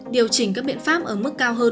điều chỉnh các biện pháp ở mức cao hơn